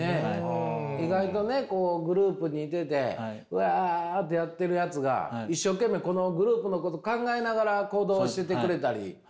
意外とねグループにいててわあってやっているやつが一生懸命このグループのこと考えながら行動しててくれたり。